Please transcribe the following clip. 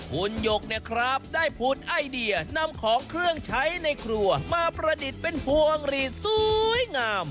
คุณหยกเนี่ยครับได้พูดไอเดียนำของเครื่องใช้ในครัวมาประดิษฐ์เป็นพวงหลีดสวยงาม